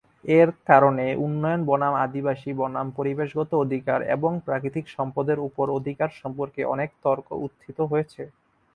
এর কারণে, উন্নয়ন বনাম আদিবাসী বনাম পরিবেশগত অধিকার এবং প্রাকৃতিক সম্পদের উপর অধিকার সম্পর্কে অনেক তর্ক উত্থিত হয়েছে।